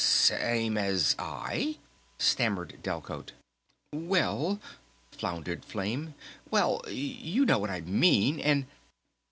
"Same as ... I?" stammered Delcote. "Well..." floundered Flame. "Well ... you know what I mean and